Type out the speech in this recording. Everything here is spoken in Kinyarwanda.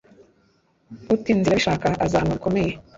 Uta inzira abishaka azahanwa bikomeye